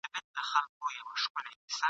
روانه ده او د دې ویرژلي اولس !.